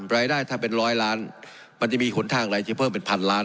รายได้ถ้าเป็นร้อยล้านมันจะมีหนทางอะไรที่เพิ่มเป็นพันล้าน